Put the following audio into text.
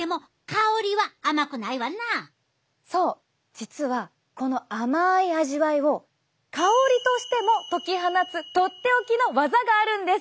実はこの甘い味わいを香りとしても解き放つとっておきのワザがあるんです！